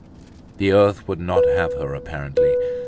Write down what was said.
The earth would not have her apparently.